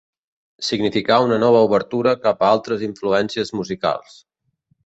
Significà una nova obertura cap a altres influències musicals.